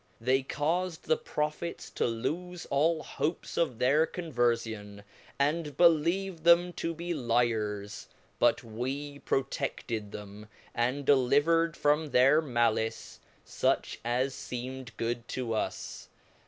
They caufed the Prophets to loofe all hopes of their Converfion, and be lieved them to be lyars ; but we proteded them, and deliver ed from their malice fuch as feemed good to us.